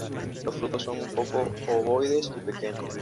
Los frutos son un poco ovoides y pequeños.